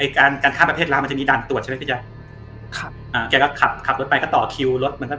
การฆ่าประเภทร้ามันจะมีดันตรวจใช่ไหมพี่แจ๊คแกก็ขับรถไปก็ต่อคิวรถ